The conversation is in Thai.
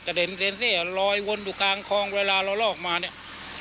จะเด้นเด้นสิลอยวนถูกกางคลองเวลาเราลอกมาเนี่ย